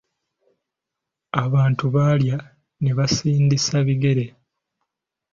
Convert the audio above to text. Abantu baalya, ne basindisa bigere.